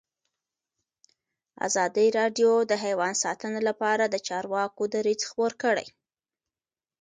ازادي راډیو د حیوان ساتنه لپاره د چارواکو دریځ خپور کړی.